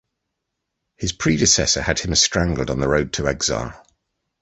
His predecessor had him strangle on the road to exile.